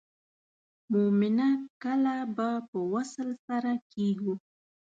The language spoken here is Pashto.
مومنه کله به په وصل سره کیږو.